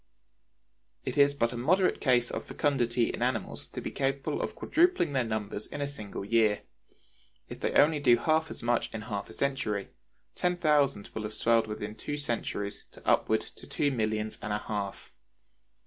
It is but a moderate case of fecundity in animals to be capable of quadrupling their numbers in a single year; if they only do as much in half a century, ten thousand will have swelled within two centuries to upward to two millions and a half.